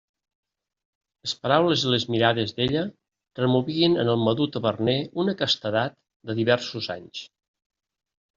Les paraules i les mirades d'ella removien en el madur taverner una castedat de diversos anys.